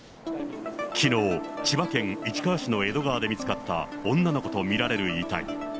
きのう、千葉県市川市の江戸川で見つかった女の子と見られる遺体。